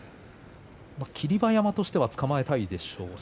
霧馬山としてはつかまえたいでしょう。